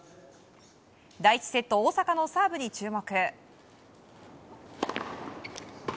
第１セット大坂のサーブに注目。